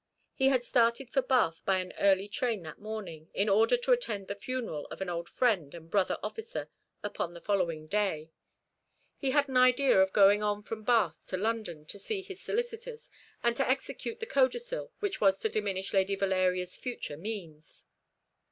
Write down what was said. He had started for Bath by an early train that morning, in order to attend the funeral of an old friend and brother officer upon the following day. He had an idea of going on from Bath to London, to see his solicitors, and to execute the codicil which was to diminish Lady Valeria's future means.